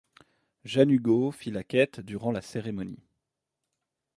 Jeanne Hugo fit la quête durant la cérémonie.